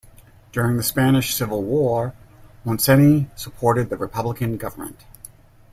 During the Spanish Civil War, Montseny supported the republican government.